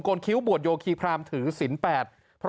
นคิ้วบวชโยคีพรามถือศิลป